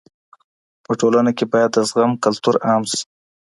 په ټولنه کي بايد د زغم کلتور عام سي.